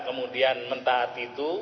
kemudian mentah hati itu